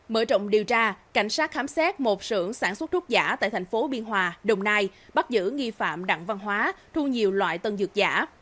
mở rộng điều tra cảnh sát khám xét một sưởng sản xuất thuốc giả tại thành phố biên hòa đồng nai bắt giữ nghi phạm đặng văn hóa thu nhiều loại tân dược giả